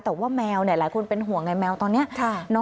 แต่ว่าแมวเนี้ยหลายคนเป็นห่วงในแมวตอนเนี้ยใช่